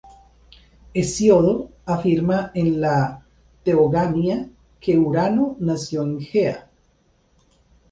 Hesíodo afirma en la "Teogonía" que Urano nació de Gea.